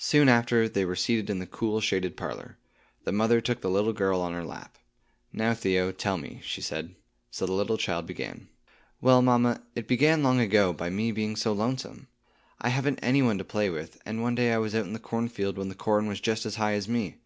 Soon after, they were seated in the cool shaded parlor. The mother took the little girl on her lap. "Now, Theo, tell me," she said. So the little child began. "Well, mamma, it began long ago, by me being so lonesome. I haven't any one to play with, and one day I was out in the cornfield when the corn was just as high as me.